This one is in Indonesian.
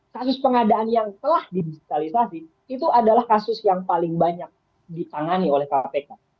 kasus pengadaan yang telah didigitalisasi itu adalah kasus yang paling banyak ditangani oleh kpk